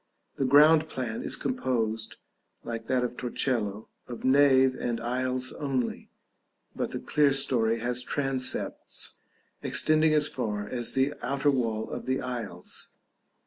The ground plan is composed, like that of Torcello, of nave and aisles only, but the clerestory has transepts extending as far as the outer wall of the aisles.